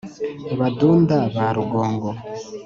badunda ba rugongo